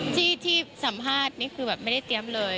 ที่สัมภาษณ์นี่คือแบบไม่ได้เตรียมเลย